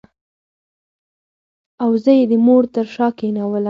او زه یې د مور تر شا کېنولم.